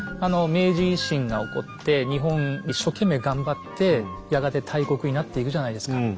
明治維新が起こって日本一生懸命頑張ってやがて大国になっていくじゃないですか。